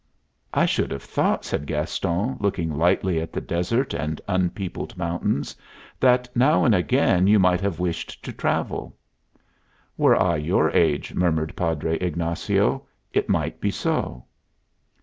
"I should have thought," said Gaston, looking lightly at the desert and unpeopled mountains, "that now and again you might have wished to travel." "Were I your age," murmured Padre Ignacio, "it might be so."